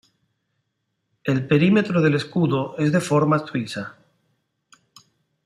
El perímetro del escudo es de forma suiza.